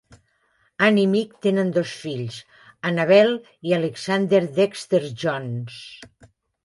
Ann i Mick tenen dos fills, Annabelle i Alexander Dexter-Jones.